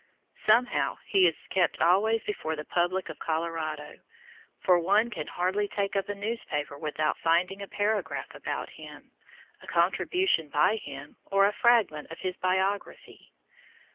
Somehow, he is kept always before the public of Colorado, for one can hardly take up a newspaper without finding a paragraph about him, a contribution by him, or a fragment of his biography.